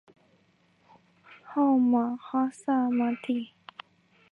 号玛哈萨嘛谛。